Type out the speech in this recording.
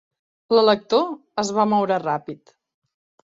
L'elector es va moure ràpid.